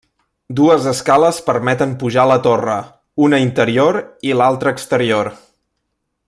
Dues escales permeten pujar a la torre, una interior i l'altra exterior.